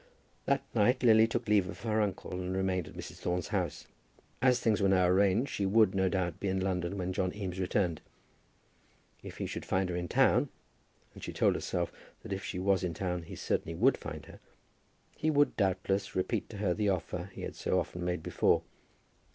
That night Lily took leave of her uncle and remained at Mrs. Thorne's house. As things were now arranged she would, no doubt, be in London when John Eames returned. If he should find her in town and she told herself that if she was in town he certainly would find her, he would, doubtless, repeat to her the offer he had so often made before.